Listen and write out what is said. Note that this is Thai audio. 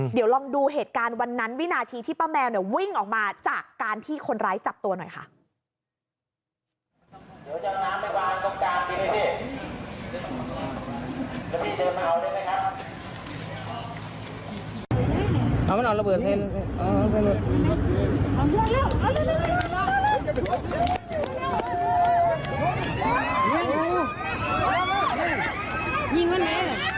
เดี๋ยวลองดูเหตุการณ์วันนั้นวินาทีที่ป้าแมวเนี่ยวิ่งออกมาจากการที่คนร้ายจับตัวหน่อยค่ะ